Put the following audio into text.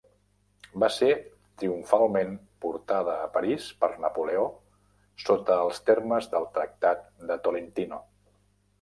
Va ser triomfalment portada a París per Napoleó sota els termes del Tractat de Tolentino.